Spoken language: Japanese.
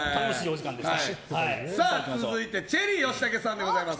続いてチェリー吉武さんです。